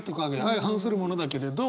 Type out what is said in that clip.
相反するものだけれど。